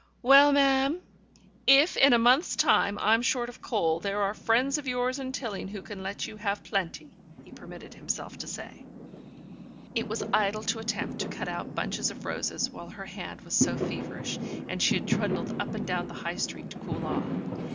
"Well, ma'am, if in a month's time I'm short of coal, there are friends of yours in Tilling who can let you have plenty," he permitted himself to say. ... It was idle to attempt to cut out bunches of roses while her hand was so feverish, and she trundled up and down the High Street to cool off.